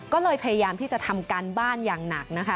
ก็เลยพยายามที่จะทำการบ้านอย่างหนักนะคะ